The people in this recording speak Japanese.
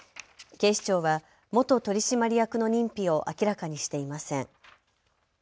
警視庁は元取締役の認否を明らかにしていません。